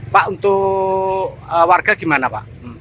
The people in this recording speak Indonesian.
pak untuk warga gimana pak